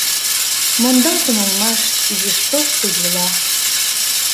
Мондалтын улмаш изиш тошто йӱла.